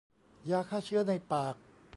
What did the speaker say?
ยาฆ่าเชื้อในปาก